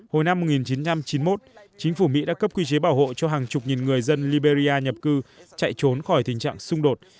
hồi năm một nghìn chín trăm chín mươi một chính phủ mỹ đã cấp quy chế bảo hộ cho hàng chục nghìn người dân liberia nhập cư chạy trốn khỏi tình trạng xung đột